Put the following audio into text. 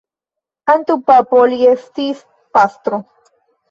Antaŭ papo, li estis pastro.